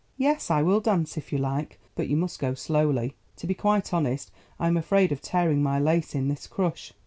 Yes, I will dance if you like, but you must go slowly; to be quite honest, I am afraid of tearing my lace in this crush.